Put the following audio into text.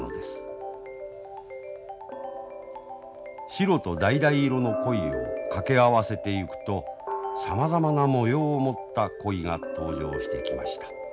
白とだいだい色の鯉を掛け合わせていくとさまざまな模様を持った鯉が登場してきました。